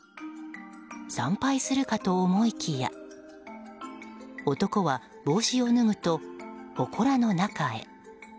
参拝するかと思いきや男は、帽子を脱ぐとほこらの中へ。